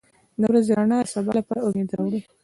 • د ورځې رڼا د سبا لپاره امید راوړي.